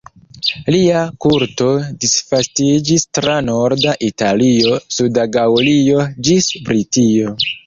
Lia kulto disvastiĝis tra norda Italio, suda Gaŭlio ĝis Britio.